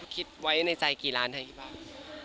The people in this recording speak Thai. คิดไว้ในใจกี่ล้านให้ที่บ้าน